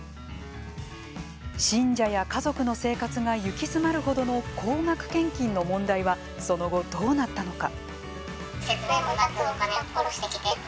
信者や家族の生活が行き詰まるほどの高額献金の問題はその後、どうなったのか。